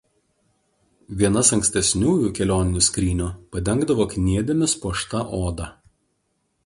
Vienas ankstesniųjų kelioninių skrynių padengdavo kniedėmis puošta oda.